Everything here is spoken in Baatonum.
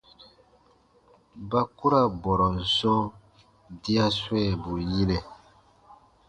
Ba ku ra bɔrɔn sɔ̃ dĩa swɛ̃ɛbu yinɛ.